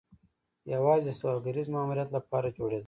یوازې د سوداګریز ماموریت لپاره جوړېده